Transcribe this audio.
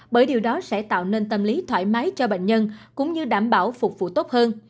bởi điều đó sẽ tạo nên tâm lý thoải mái cho bệnh nhân cũng như đảm bảo phục vụ tốt hơn